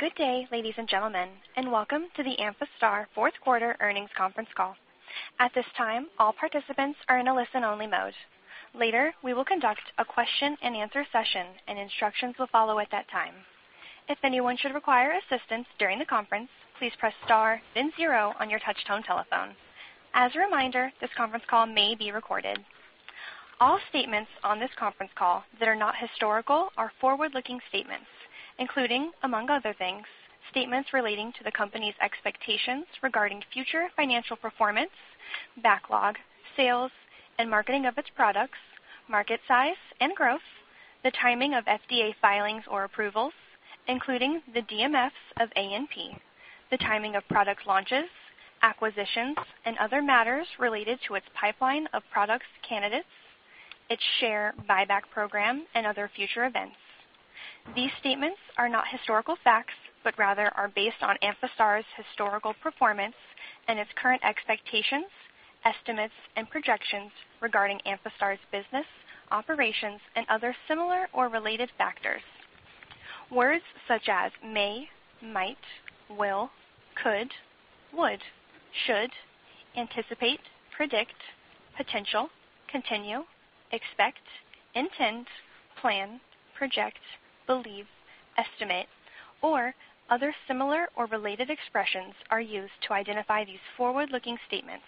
Good day, ladies and gentlemen, and welcome to the Amphastar Fourth Quarter earnings conference call. At this time, all participants are in a listen-only mode. Later, we will conduct a question-and-answer session, and instructions will follow at that time. If anyone should require assistance during the conference, please press star then zero on your touch-tone telephone. As a reminder, this conference call may be recorded. All statements on this conference call that are not historical are forward-looking statements, including, among other things, statements relating to the company's expectations regarding future financial performance, backlog, sales, and marketing of its products, market size and growth, the timing of FDA filings or approvals, including the DMFs of ANP, the timing of product launches, acquisitions, and other matters related to its pipeline of product candidates, its share buyback program, and other future events. These statements are not historical facts but rather are based on Amphastar's historical performance and its current expectations, estimates, and projections regarding Amphastar's business, operations, and other similar or related factors. Words such as may, might, will, could, would, should, anticipate, predict, potential, continue, expect, intend, plan, project, believe, estimate, or other similar or related expressions are used to identify these forward-looking statements,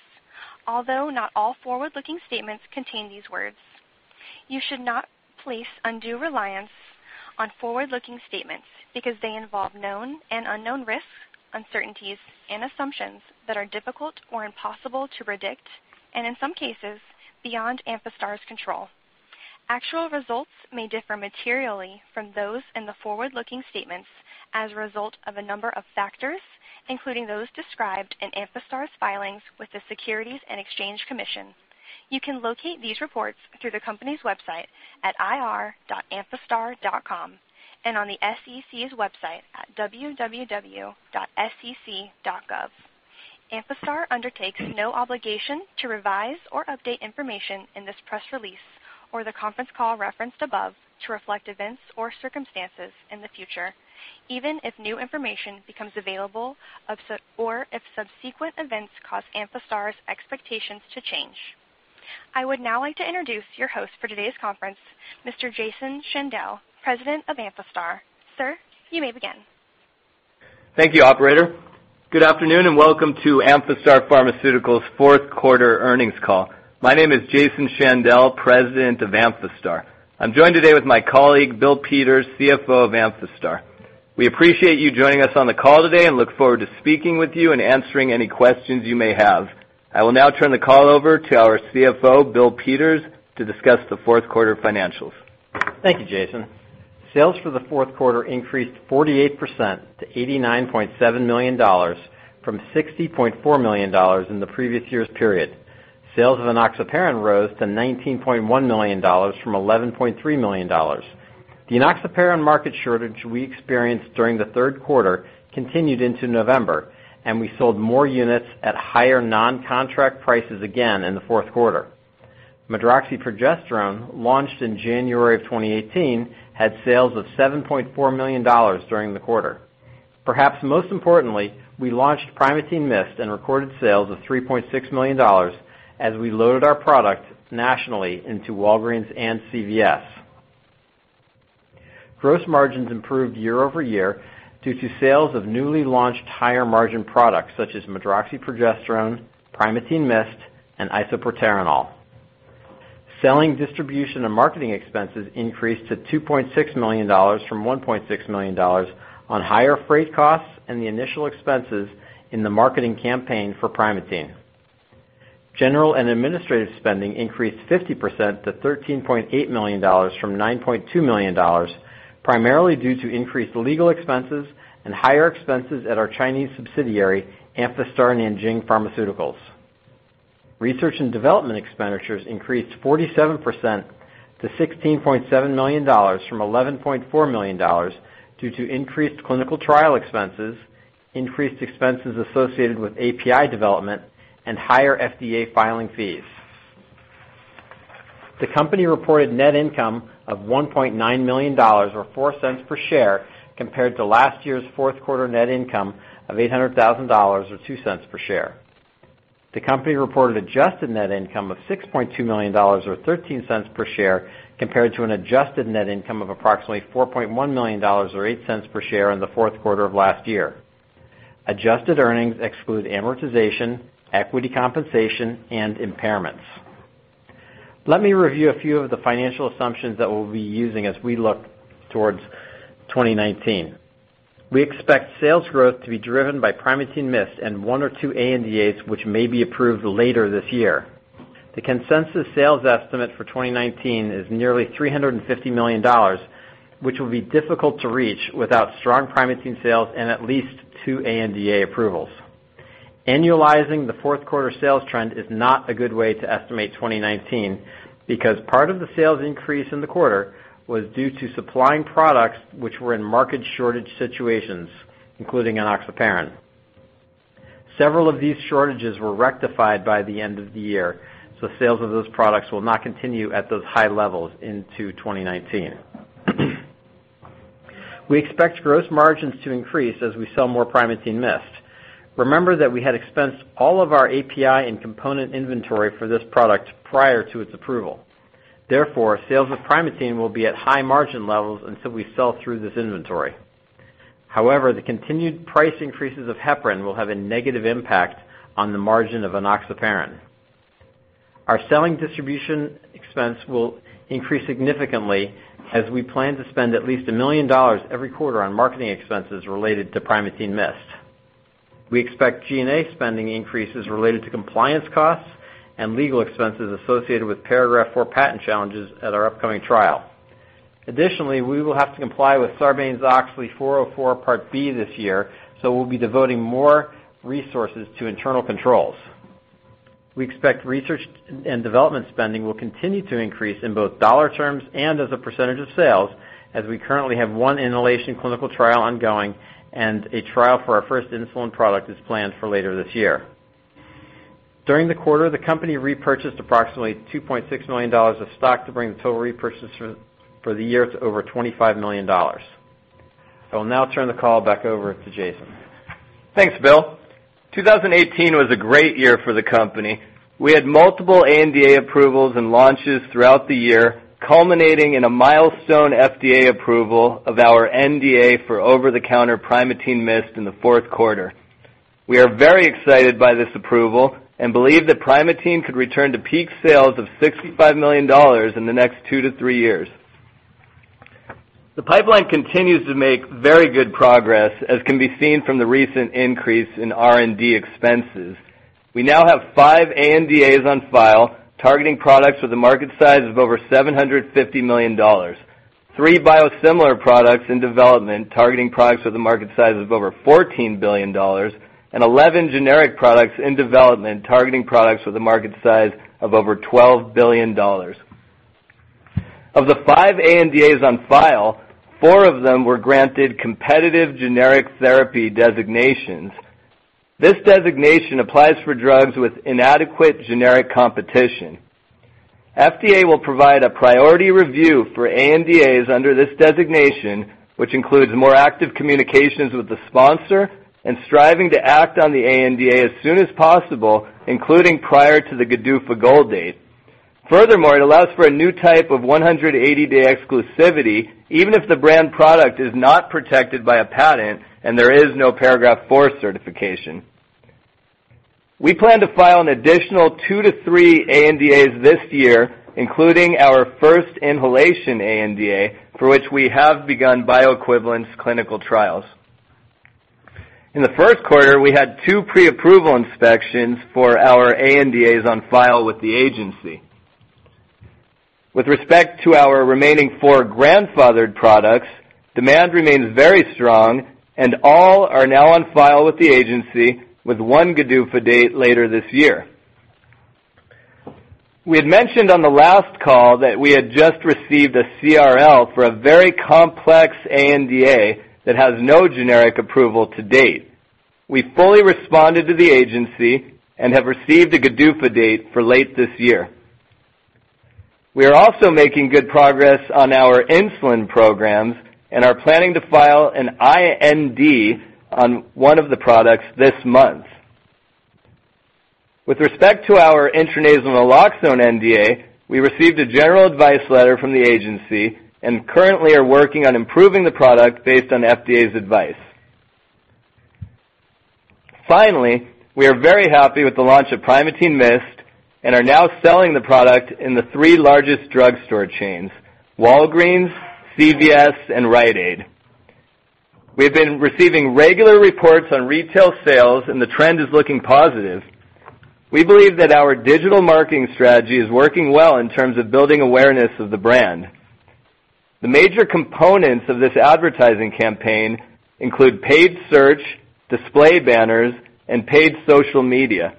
although not all forward-looking statements contain these words. You should not place undue reliance on forward-looking statements because they involve known and unknown risks, uncertainties, and assumptions that are difficult or impossible to predict, and in some cases, beyond Amphastar's control. Actual results may differ materially from those in the forward-looking statements as a result of a number of factors, including those described in Amphastar's filings with the Securities and Exchange Commission. You can locate these reports through the company's website at ir.amphastar.com and on the SEC's website at www.sec.gov. Amphastar undertakes no obligation to revise or update information in this press release or the conference call referenced above to reflect events or circumstances in the future, even if new information becomes available or if subsequent events cause Amphastar's expectations to change. I would now like to introduce your host for today's conference, Mr. Jason Shandell, President of Amphastar. Sir, you may begin. Thank you, Operator. Good afternoon and welcome to Amphastar Pharmaceuticals Fourth Quarter Earnings Call. My name is Jason Shandell, President of Amphastar. I'm joined today with my colleague, Bill Peters, CFO of Amphastar. We appreciate you joining us on the call today and look forward to speaking with you and answering any questions you may have. I will now turn the call over to our CFO, Bill Peters, to discuss the fourth quarter financials. Thank you, Jason. Sales for the fourth quarter increased 48% to $89.7 million from $60.4 million in the previous year's period. Sales of enoxaparin rose to $19.1 million from $11.3 million. The enoxaparin market shortage we experienced during the third quarter continued into November, and we sold more units at higher non-contract prices again in the fourth quarter. Medroxyprogesterone, launched in January of 2018, had sales of $7.4 million during the quarter. Perhaps most importantly, we launched Primatene Mist and recorded sales of $3.6 million as we loaded our product nationally into Walgreens and CVS. Gross margins improved year over year due to sales of newly launched higher margin products such as medroxyprogesterone, Primatene Mist, and isoproterenol. Selling, distribution, and marketing expenses increased to $2.6 million from $1.6 million on higher freight costs and the initial expenses in the marketing campaign for Primatene. General and administrative spending increased 50% to $13.8 million from $9.2 million, primarily due to increased legal expenses and higher expenses at our Chinese subsidiary, Amphastar Nanjing Pharmaceuticals. Research and development expenditures increased 47% to $16.7 million from $11.4 million due to increased clinical trial expenses, increased expenses associated with API development, and higher FDA filing fees. The company reported net income of $1.9 million or $0.04 per share compared to last year's fourth quarter net income of $800,000 or $0.02 per share. The company reported adjusted net income of $6.2 million or $0.13 per share compared to an adjusted net income of approximately $4.1 million or $0.08 per share in the fourth quarter of last year. Adjusted earnings exclude amortization, equity compensation, and impairments. Let me review a few of the financial assumptions that we'll be using as we look towards 2019. We expect sales growth to be driven by Primatene Mist and one or two ANDAs, which may be approved later this year. The consensus sales estimate for 2019 is nearly $350 million, which will be difficult to reach without strong Primatene Mist sales and at least two ANDA approvals. Annualizing the fourth quarter sales trend is not a good way to estimate 2019 because part of the sales increase in the quarter was due to supplying products which were in market shortage situations, including enoxaparin. Several of these shortages were rectified by the end of the year, so sales of those products will not continue at those high levels into 2019. We expect gross margins to increase as we sell more Primatene Mist. Remember that we had expensed all of our API and component inventory for this product prior to its approval. Therefore, sales of Primatene will be at high margin levels until we sell through this inventory. However, the continued price increases of heparin will have a negative impact on the margin of enoxaparin. Our selling distribution expense will increase significantly as we plan to spend at least $1 million every quarter on marketing expenses related to Primatene Mist. We expect G&A spending increases related to compliance costs and legal expenses associated with Paragraph IV patent challenges at our upcoming trial. Additionally, we will have to comply with Sarbanes-Oxley 404 Part B this year, so we'll be devoting more resources to internal controls. We expect research and development spending will continue to increase in both dollar terms and as a percentage of sales as we currently have one inhalation clinical trial ongoing and a trial for our first insulin product is planned for later this year. During the quarter, the company repurchased approximately $2.6 million of stock to bring the total repurchase for the year to over $25 million. I will now turn the call back over to Jason. Thanks, Bill. 2018 was a great year for the company. We had multiple ANDA approvals and launches throughout the year, culminating in a milestone FDA approval of our NDA for over-the-counter Primatene Mist in the fourth quarter. We are very excited by this approval and believe that Primatene Mist could return to peak sales of $65 million in the next two to three years. The pipeline continues to make very good progress, as can be seen from the recent increase in R&D expenses. We now have five ANDAs on file targeting products with a market size of over $750 million, three biosimilar products in development targeting products with a market size of over $14 billion, and 11 generic products in development targeting products with a market size of over $12 billion. Of the five ANDAs on file, four of them were granted competitive generic therapy designations. This designation applies for drugs with inadequate generic competition. FDA will provide a priority review for ANDAs under this designation, which includes more active communications with the sponsor and striving to act on the ANDA as soon as possible, including prior to the GDUFA goal date. Furthermore, it allows for a new type of 180-day exclusivity, even if the brand product is not protected by a patent and there is no Paragraph IV certification. We plan to file an additional two to three ANDAs this year, including our first inhalation ANDA, for which we have begun bioequivalence clinical trials. In the first quarter, we had two pre-approval inspections for our ANDAs on file with the agency. With respect to our remaining four grandfathered products, demand remains very strong, and all are now on file with the agency with one GDUFA date later this year. We had mentioned on the last call that we had just received a CRL for a very complex ANDA that has no generic approval to date. We fully responded to the agency and have received a GDUFA date for late this year. We are also making good progress on our insulin programs and are planning to file an IND on one of the products this month. With respect to our intranasal naloxone NDA, we received a general advice letter from the agency and currently are working on improving the product based on FDA's advice. Finally, we are very happy with the launch of Primatene Mist and are now selling the product in the three largest drugstore chains: Walgreens, CVS, and Rite Aid. We have been receiving regular reports on retail sales, and the trend is looking positive. We believe that our digital marketing strategy is working well in terms of building awareness of the brand. The major components of this advertising campaign include paid search, display banners, and paid social media.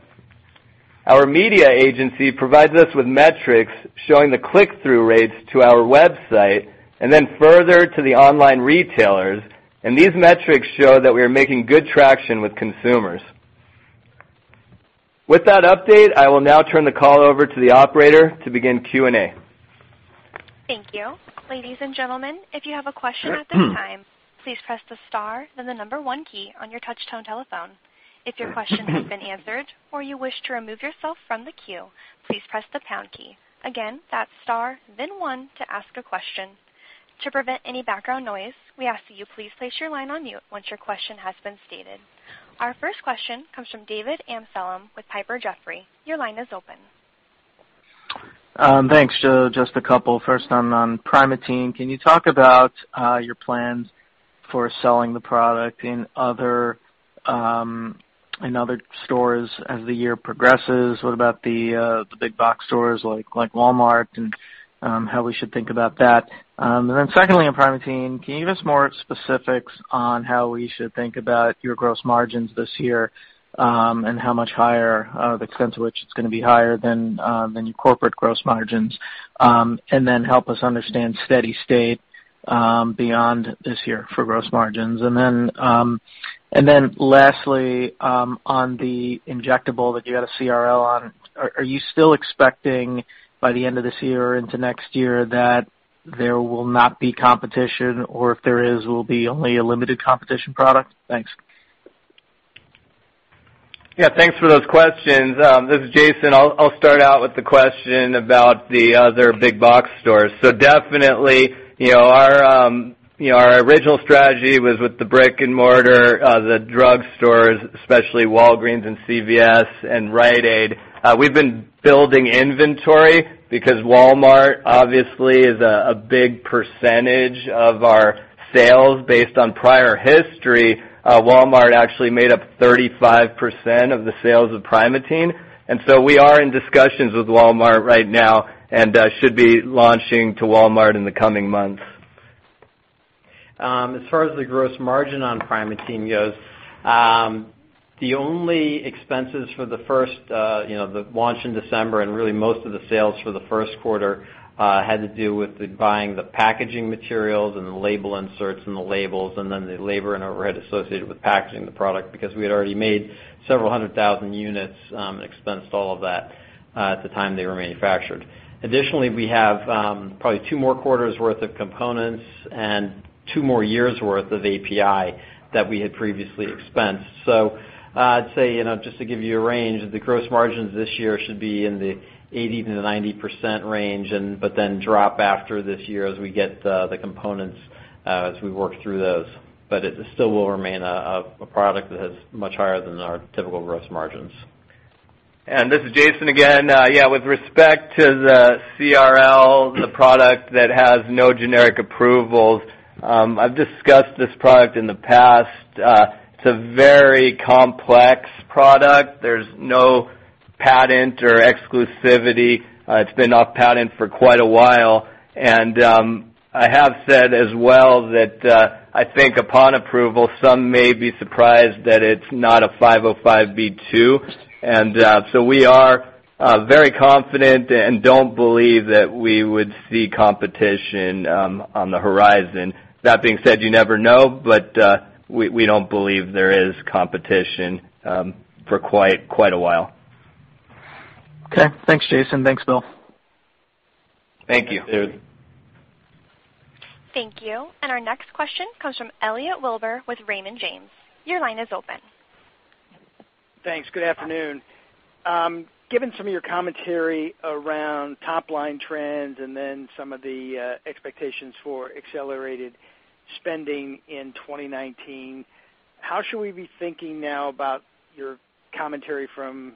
Our media agency provides us with metrics showing the click-through rates to our website and then further to the online retailers, and these metrics show that we are making good traction with consumers. With that update, I will now turn the call over to the Operator to begin Q&A. Thank you. Ladies and gentlemen, if you have a question at this time, please press the star, then the number one key on your touch-tone telephone. If your question has been answered or you wish to remove yourself from the queue, please press the pound key. Again, that's star, then one to ask a question. To prevent any background noise, we ask that you please place your line on mute once your question has been stated. Our first question comes from David Amsellem with Piper Jaffray. Your line is open. Thanks, Joe. Just a couple. First, on Primatene, can you talk about your plans for selling the product in other stores as the year progresses? What about the big-box stores like Walmart and how we should think about that? Secondly, on Primatene, can you give us more specifics on how we should think about your gross margins this year and how much higher, the extent to which it's going to be higher than your corporate gross margins, and then help us understand steady state beyond this year for gross margins? Lastly, on the injectable that you had a CRL on, are you still expecting by the end of this year or into next year that there will not be competition, or if there is, will it be only a limited competition product? Thanks. Yeah, thanks for those questions. This is Jason. I'll start out with the question about the other big-box stores. So definitely, our original strategy was with the brick-and-mortar drugstores, especially Walgreens and CVS and Rite Aid. We've been building inventory because Walmart, obviously, is a big percentage of our sales. Based on prior history, Walmart actually made up 35% of the sales of Primatene, and so we are in discussions with Walmart right now and should be launching to Walmart in the coming months. As far as the gross margin on Primatene goes, the only expenses for the first, the launch in December and really most of the sales for the first quarter had to do with buying the packaging materials and the label inserts and the labels and then the labor and overhead associated with packaging the product because we had already made several hundred thousand units and expensed all of that at the time they were manufactured. Additionally, we have probably two more quarters' worth of components and two more years' worth of API that we had previously expensed. So I'd say, just to give you a range, the gross margins this year should be in the 80%-90% range, but then drop after this year as we get the components as we work through those. But it still will remain a product that is much higher than our typical gross margins. This is Jason again. Yeah, with respect to the CRL, the product that has no generic approvals. I've discussed this product in the past. It's a very complex product. There's no patent or exclusivity. It's been off patent for quite a while. I have said as well that I think upon approval, some may be surprised that it's not a 505(b)(2). We are very confident and don't believe that we would see competition on the horizon. That being said, you never know, but we don't believe there is competition for quite a while. Okay. Thanks, Jason. Thanks, Bill. Thank you. Thank you. And our next question comes from Elliot Wilbur with Raymond James. Your line is open. Thanks. Good afternoon. Given some of your commentary around top-line trends and then some of the expectations for accelerated spending in 2019, how should we be thinking now about your commentary from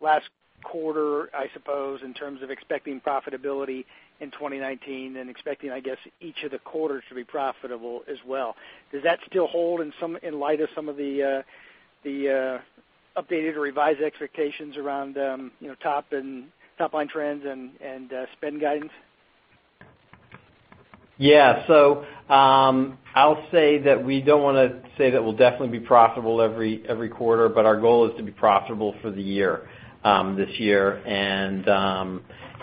last quarter, I suppose, in terms of expecting profitability in 2019 and expecting, I guess, each of the quarters to be profitable as well? Does that still hold in light of some of the updated or revised expectations around top-line trends and spend guidance? Yeah. So I'll say that we don't want to say that we'll definitely be profitable every quarter, but our goal is to be profitable for the year this year. And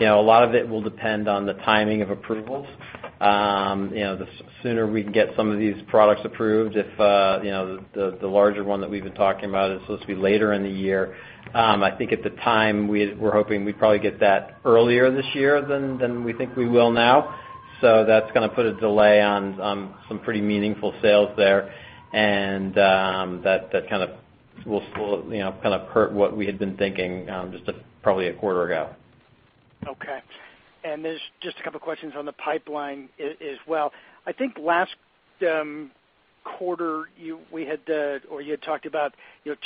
a lot of it will depend on the timing of approvals. The sooner we can get some of these products approved, if the larger one that we've been talking about is supposed to be later in the year, I think at the time we're hoping we probably get that earlier this year than we think we will now. So that's going to put a delay on some pretty meaningful sales there, and that kind of will kind of hurt what we had been thinking just probably a quarter ago. Okay. And there's just a couple of questions on the pipeline as well. I think last quarter, we had or you had talked about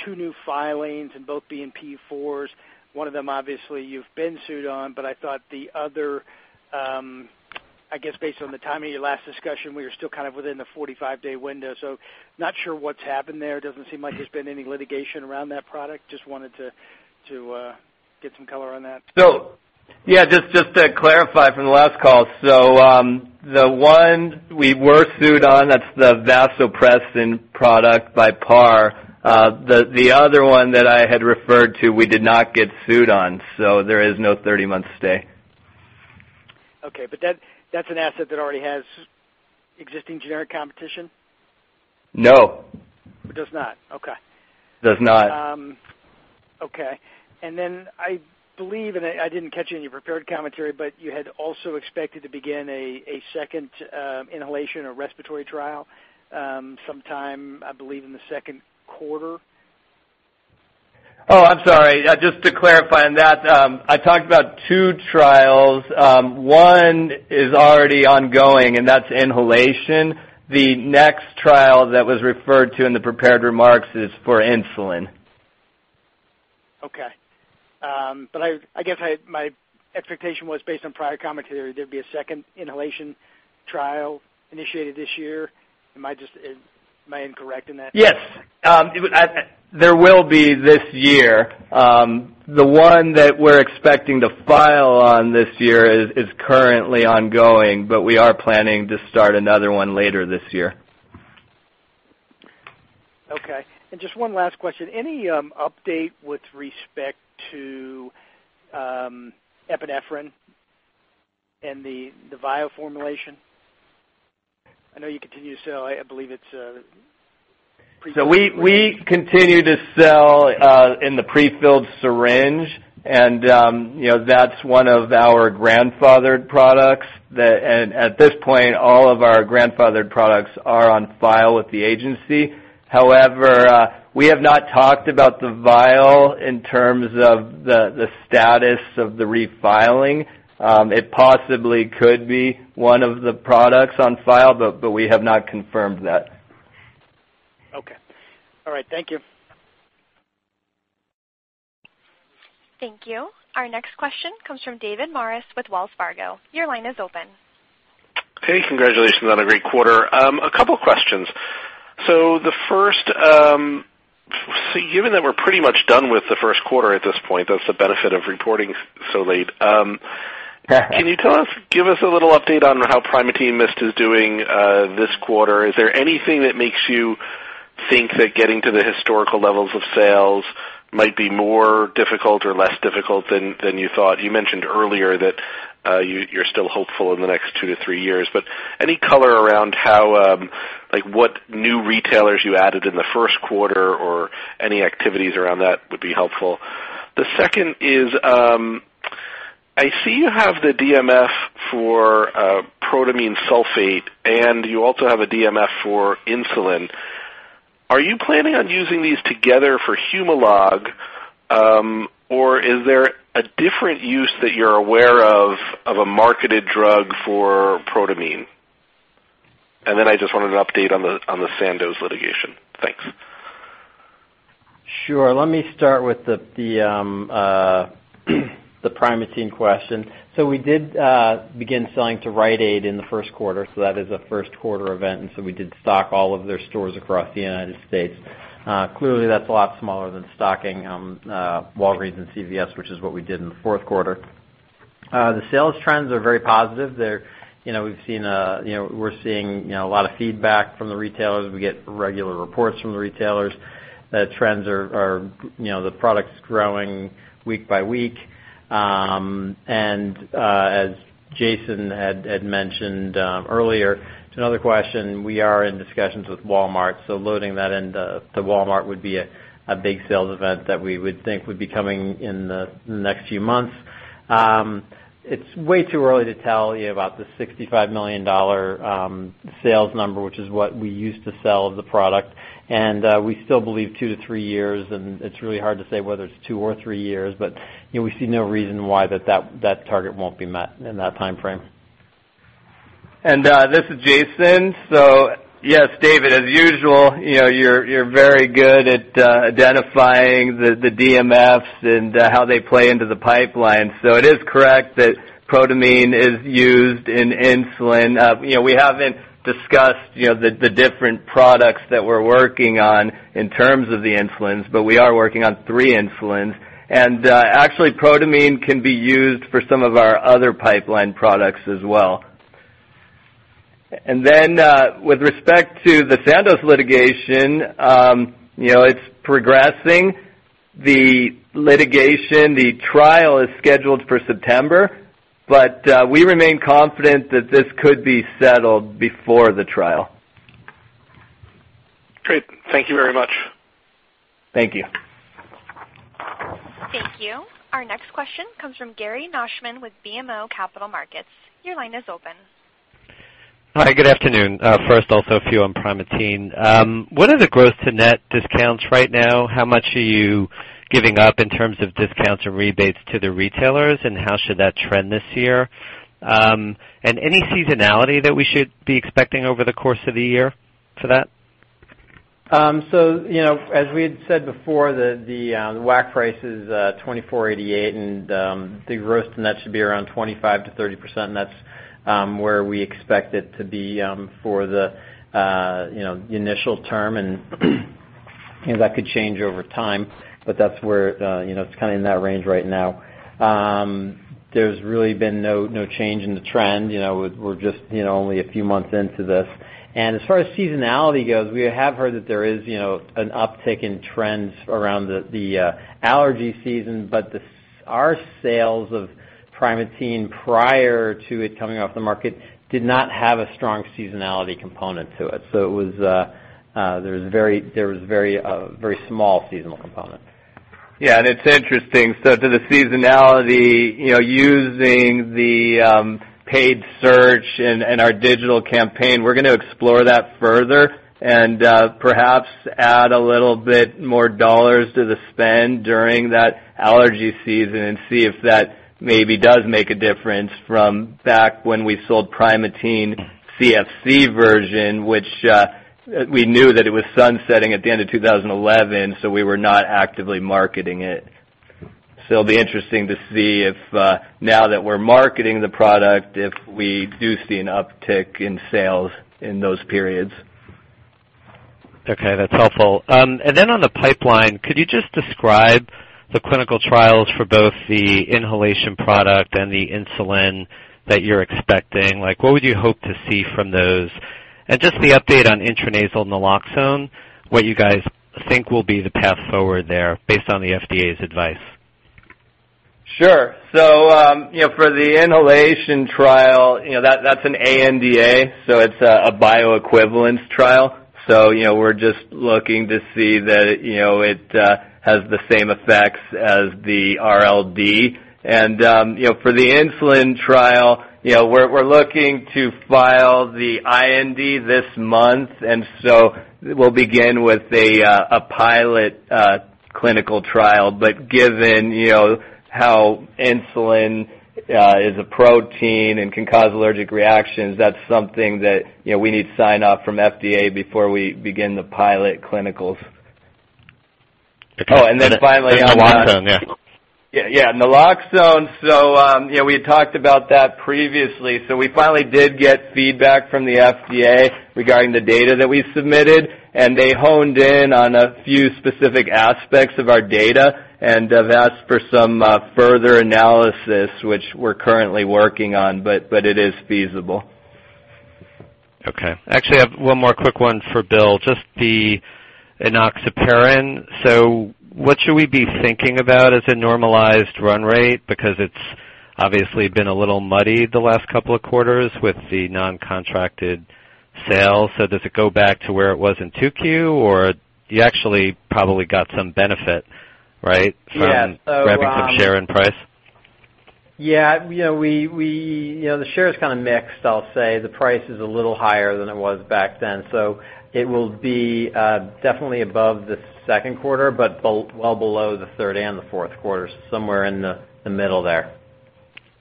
two new filings and both being P4s. One of them, obviously, you've been sued on, but I thought the other, I guess, based on the timing of your last discussion, we were still kind of within the 45-day window. So not sure what's happened there. Doesn't seem like there's been any litigation around that product. Just wanted to get some color on that. So yeah, just to clarify from the last call. So the one we were sued on, that's the vasopressin product by Par. The other one that I had referred to, we did not get sued on, so there is no 30-month stay. Okay, but that's an asset that already has existing generic competition? No. It does not. Okay. Does not. Okay. Then I believe, and I didn't catch it in your prepared commentary, but you had also expected to begin a second inhalation or respiratory trial sometime, I believe, in the second quarter. Oh, I'm sorry. Just to clarify on that, I talked about two trials. One is already ongoing, and that's inhalation. The next trial that was referred to in the prepared remarks is for insulin. Okay, but I guess my expectation was based on prior commentary, there'd be a second inhalation trial initiated this year. Am I incorrect in that? Yes. There will be this year. The one that we're expecting to file on this year is currently ongoing, but we are planning to start another one later this year. Okay. And just one last question. Any update with respect to epinephrine and the vial formulation? I know you continue to sell, I believe it's pre-filled. We continue to sell in the pre-filled syringe, and that's one of our grandfathered products. At this point, all of our grandfathered products are on file with the agency. However, we have not talked about the vial in terms of the status of the refiling. It possibly could be one of the products on file, but we have not confirmed that. Okay. All right. Thank you. Thank you. Our next question comes from David Maris with Wells Fargo. Your line is open. Hey, congratulations on a great quarter. A couple of questions. So the first, given that we're pretty much done with the first quarter at this point, that's the benefit of reporting so late, can you give us a little update on how Primatene Mist is doing this quarter? Is there anything that makes you think that getting to the historical levels of sales might be more difficult or less difficult than you thought? You mentioned earlier that you're still hopeful in the next two to three years, but any color around what new retailers you added in the first quarter or any activities around that would be helpful? The second is, I see you have the DMF for protamine sulfate, and you also have a DMF for insulin. Are you planning on using these together for Humalog, or is there a different use that you're aware of, of a marketed drug for protamine? And then I just wanted an update on the Sandoz litigation. Thanks. Sure. Let me start with the Primatene question. So we did begin selling to Rite Aid in the first quarter. So that is a first-quarter event, and so we did stock all of their stores across the United States. Clearly, that's a lot smaller than stocking Walgreens and CVS, which is what we did in the fourth quarter. The sales trends are very positive. We've seen a lot of feedback from the retailers. We get regular reports from the retailers. The trends are the product's growing week by week. And as Jason had mentioned earlier, it's another question. We are in discussions with Walmart, so loading that into Walmart would be a big sales event that we would think would be coming in the next few months. It's way too early to tell you about the $65 million sales number, which is what we used to sell the product. We still believe two to three years, and it's really hard to say whether it's two or three years, but we see no reason why that target won't be met in that time frame. And this is Jason. So yes, David, as usual, you're very good at identifying the DMFs and how they play into the pipeline. So it is correct that protamine is used in insulin. We haven't discussed the different products that we're working on in terms of the insulins, but we are working on three insulins. And actually, protamine can be used for some of our other pipeline products as well. And then with respect to the Sandoz litigation, it's progressing. The litigation, the trial is scheduled for September, but we remain confident that this could be settled before the trial. Great. Thank you very much. Thank you. Thank you. Our next question comes from Gary Nachman with BMO Capital Markets. Your line is open. Hi. Good afternoon. First, also a few on Primatene. What are the gross-to-net discounts right now? How much are you giving up in terms of discounts and rebates to the retailers, and how should that trend this year, and any seasonality that we should be expecting over the course of the year for that? So as we had said before, the WAC price is $24.88, and the gross-to-net should be around 25%-30%, and that's where we expect it to be for the initial term. And that could change over time, but that's where it's kind of in that range right now. There's really been no change in the trend. We're just only a few months into this. And as far as seasonality goes, we have heard that there is an uptick in trends around the allergy season, but our sales of Primatene prior to it coming off the market did not have a strong seasonality component to it. So there was a very small seasonal component. Yeah, and it's interesting. So, to the seasonality, using the paid search and our digital campaign, we're going to explore that further and perhaps add a little bit more dollars to the spend during that allergy season and see if that maybe does make a difference from back when we sold Primatene CFC version, which we knew that it was sunsetting at the end of 2011, so we were not actively marketing it. So, it'll be interesting to see if now that we're marketing the product, if we do see an uptick in sales in those periods. Okay. That's helpful. And then on the pipeline, could you just describe the clinical trials for both the inhalation product and the insulin that you're expecting? What would you hope to see from those? And just the update on intranasal naloxone, what you guys think will be the path forward there based on the FDA's advice? Sure. So for the inhalation trial, that's an ANDA, so it's a bioequivalence trial. So we're just looking to see that it has the same effects as the RLD. And for the insulin trial, we're looking to file the IND this month, and so we'll begin with a pilot clinical trial. But given how insulin is a protein and can cause allergic reactions, that's something that we need to sign off from FDA before we begin the pilot clinicals. Oh, and then finally. Naloxone, yeah. Yeah. Naloxone. So we had talked about that previously. So we finally did get feedback from the FDA regarding the data that we submitted, and they honed in on a few specific aspects of our data and have asked for some further analysis, which we're currently working on, but it is feasible. Okay. Actually, I have one more quick one for Bill. Just the enoxaparin. So what should we be thinking about as a normalized run rate? Because it's obviously been a little muddy the last couple of quarters with the non-contracted sales. So does it go back to where it was in 2Q, or you actually probably got some benefit, right, from grabbing some share in price? Yeah. The share is kind of mixed, I'll say. The price is a little higher than it was back then. So it will be definitely above the second quarter, but well below the third and the fourth quarter, so somewhere in the middle there.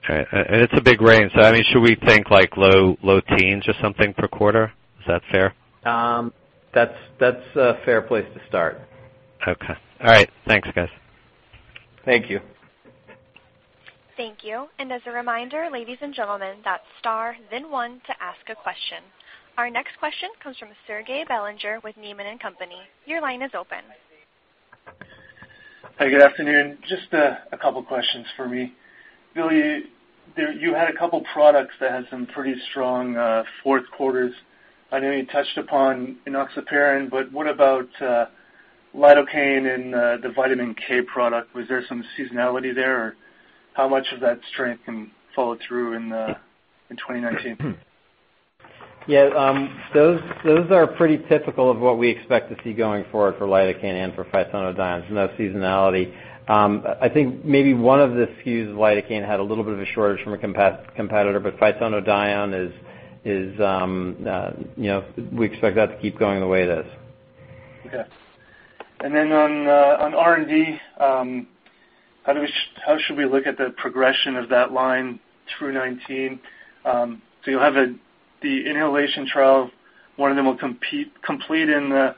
Okay. And it's a big range. So I mean, should we think low teens or something per quarter? Is that fair? That's a fair place to start. Okay. All right. Thanks, guys. Thank you. Thank you. And as a reminder, ladies and gentlemen, that's star, then one, to ask a question. Our next question comes from Serge Belanger with Needham & Company. Your line is open. Hey, good afternoon. Just a couple of questions for me. Bill, you had a couple of products that had some pretty strong fourth quarters. I know you touched upon enoxaparin, but what about lidocaine and the Vitamin K product? Was there some seasonality there, or how much of that strength can follow through in 2019? Yeah. Those are pretty typical of what we expect to see going forward for lidocaine and for phytonadione, no seasonality. I think maybe one of the SKUs of lidocaine had a little bit of a shortage from a competitor, but phytonadione is we expect that to keep going the way it is. Okay. And then on R&D, how should we look at the progression of that line through 2019? So you'll have the inhalation trial. One of them will complete in the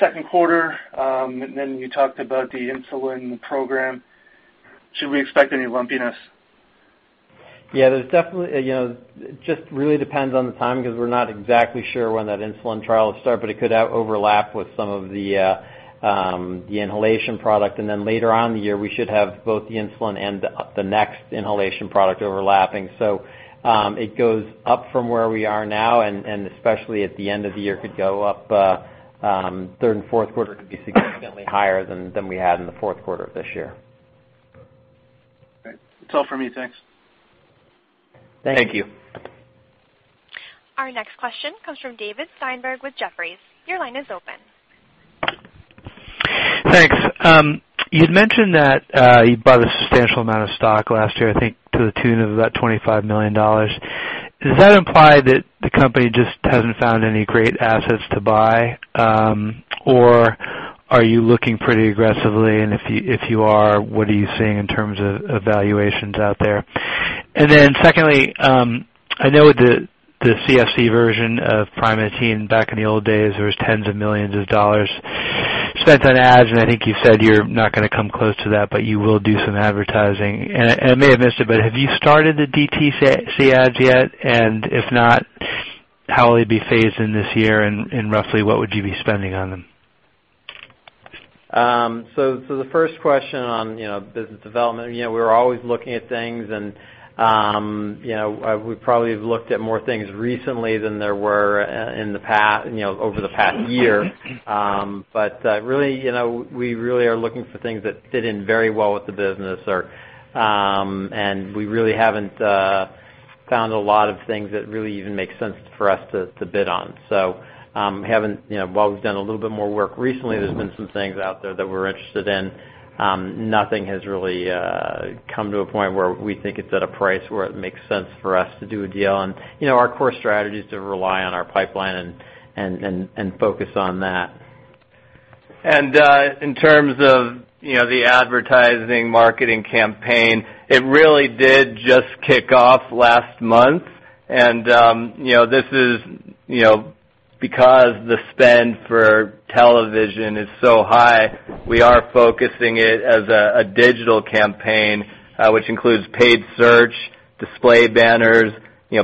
second quarter, and then you talked about the insulin program. Should we expect any lumpiness? Yeah. It just really depends on the time because we're not exactly sure when that insulin trial will start, but it could overlap with some of the inhalation product, and then later on in the year, we should have both the insulin and the next inhalation product overlapping, so it goes up from where we are now, and especially at the end of the year, could go up. Third and fourth quarter could be significantly higher than we had in the fourth quarter of this year. All right. That's all for me. Thanks. Thank you. Our next question comes from David Steinberg with Jefferies. Your line is open. Thanks. You'd mentioned that you bought a substantial amount of stock last year, I think, to the tune of about $25 million. Does that imply that the company just hasn't found any great assets to buy, or are you looking pretty aggressively? And if you are, what are you seeing in terms of valuations out there? And then secondly, I know the CFC version of Primatene back in the old days, there were tens of millions of dollars spent on ads, and I think you said you're not going to come close to that, but you will do some advertising. And I may have missed it, but have you started the DTC ads yet? And if not, how will they be phased in this year, and roughly what would you be spending on them? So the first question on business development. We were always looking at things, and we probably have looked at more things recently than there were over the past year. But really, we really are looking for things that fit in very well with the business, and we really haven't found a lot of things that really even make sense for us to bid on. So while we've done a little bit more work recently, there's been some things out there that we're interested in. Nothing has really come to a point where we think it's at a price where it makes sense for us to do a deal. And our core strategy is to rely on our pipeline and focus on that. In terms of the advertising marketing campaign, it really did just kick off last month. This is because the spend for television is so high. We are focusing it as a digital campaign, which includes paid search, display banners,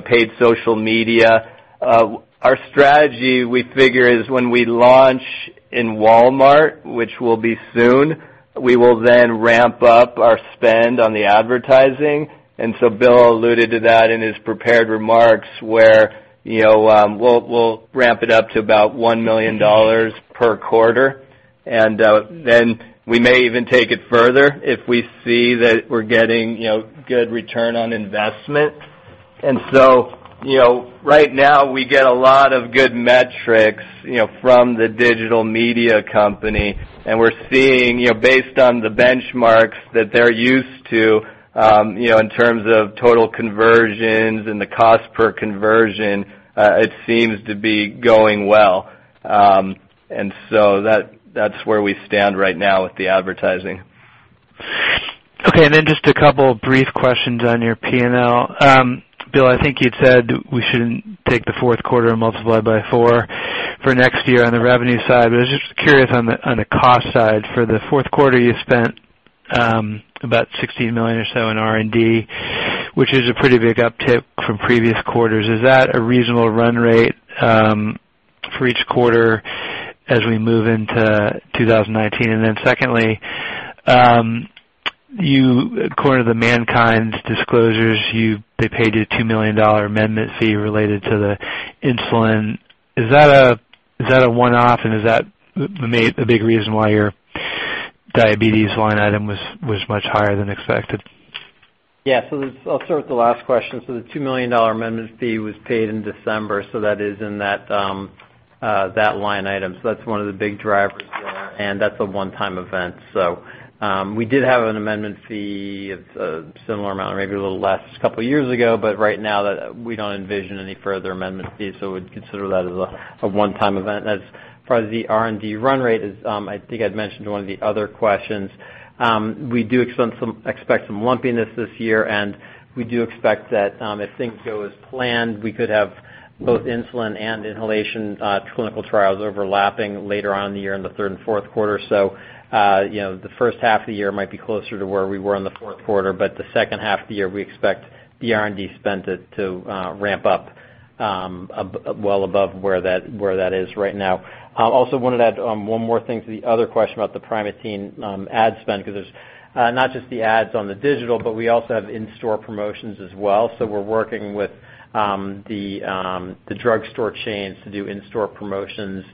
paid social media. Our strategy, we figure, is when we launch in Walmart, which will be soon, we will then ramp up our spend on the advertising. Bill alluded to that in his prepared remarks where we'll ramp it up to about $1 million per quarter. Then we may even take it further if we see that we're getting good return on investment. Right now, we get a lot of good metrics from the digital media company, and we're seeing, based on the benchmarks that they're used to in terms of total conversions and the cost per conversion, it seems to be going well. And so that's where we stand right now with the advertising. Okay. And then just a couple of brief questions on your P&L. Bill, I think you'd said we shouldn't take the fourth quarter and multiply by four for next year on the revenue side. But I was just curious on the cost side. For the fourth quarter, you spent about $16 million or so in R&D, which is a pretty big uptick from previous quarters. Is that a reasonable run rate for each quarter as we move into 2019? And then secondly, you covered the MannKind's disclosures. They paid you a $2 million amendment fee related to the insulin. Is that a one-off, and is that a big reason why your diabetes line item was much higher than expected? Yeah. So I'll start with the last question. So the $2 million amendment fee was paid in December, so that is in that line item. So that's one of the big drivers there, and that's a one-time event. So we did have an amendment fee of a similar amount, maybe a little less, a couple of years ago, but right now, we don't envision any further amendment fees, so we'd consider that as a one-time event. As far as the R&D run rate, I think I'd mentioned one of the other questions. We do expect some lumpiness this year, and we do expect that if things go as planned, we could have both insulin and inhalation clinical trials overlapping later on in the year in the third and fourth quarter. The first half of the year might be closer to where we were in the fourth quarter, but the second half of the year, we expect the R&D spend to ramp up well above where that is right now. Also, I wanted to add one more thing to the other question about the Primatene ad spend because there's not just the ads on the digital, but we also have in-store promotions as well. We're working with the drugstore chains to do in-store promotions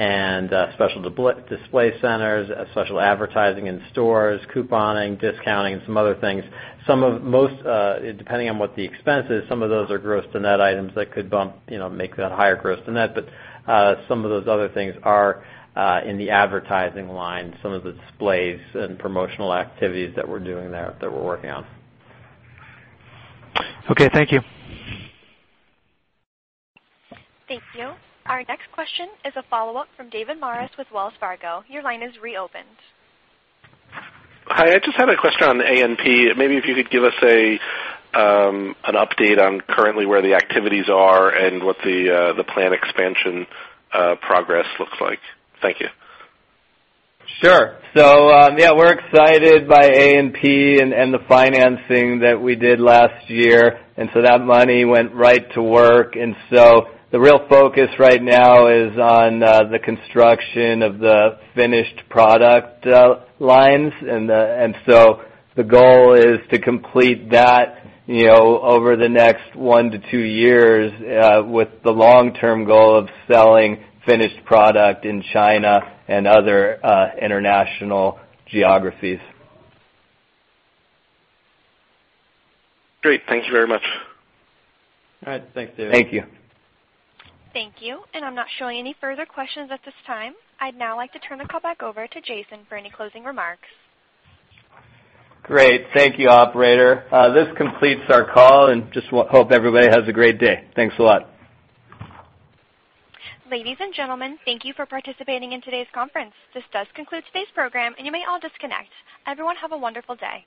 and special display centers, special advertising in stores, couponing, discounting, and some other things. Depending on what the expense is, some of those are gross-to-net items that could make that higher gross-to-net, but some of those other things are in the advertising line, some of the displays and promotional activities that we're doing there that we're working on. Okay. Thank you. Thank you. Our next question is a follow-up from David Maris with Wells Fargo. Your line is reopened. Hi. I just had a question on ANP. Maybe if you could give us an update on currently where the activities are and what the planned expansion progress looks like? Thank you. Sure. So yeah, we're excited by ANP and the financing that we did last year. And so that money went right to work. And so the real focus right now is on the construction of the finished product lines. And so the goal is to complete that over the next one to two years with the long-term goal of selling finished product in China and other international geographies. Great. Thank you very much. All right. Thanks, David. Thank you. Thank you, and I'm not showing any further questions at this time. I'd now like to turn the call back over to Jason for any closing remarks. Great. Thank you, operator. This completes our call, and just hope everybody has a great day. Thanks a lot. Ladies and gentlemen, thank you for participating in today's conference. This does conclude today's program, and you may all disconnect. Everyone, have a wonderful day.